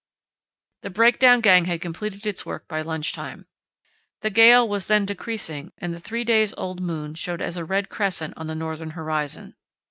The breakdown gang had completed its work by lunch time. The gale was then decreasing and the three days old moon showed as a red crescent on the northern horizon.